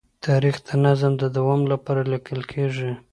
تاریخ د نظم د دوام لپاره لیکل کېږي.